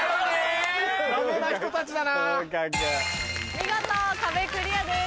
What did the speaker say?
見事壁クリアです。